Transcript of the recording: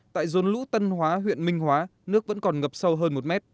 tại dồn lũ tân hóa huyện minh hóa nước vẫn còn ngập sâu hơn một mét